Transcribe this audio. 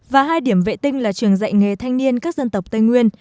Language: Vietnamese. và hai điểm vệ tinh là trường dạy nghề thanh niên các dân tộc tây nguyên